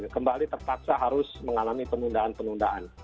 kembali terpaksa harus mengalami penundaan penundaan